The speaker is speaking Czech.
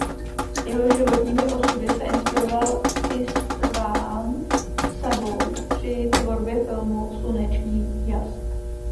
Jeho životními osudy se inspiroval István Szabó při tvorbě filmu "Sluneční jas".